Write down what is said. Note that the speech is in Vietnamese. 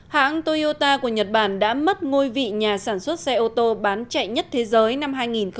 hãng toyota của nhật bản đã mất ngôi vị nhà sản xuất xe ô tô bán chạy nhất thế giới năm hai nghìn một mươi tám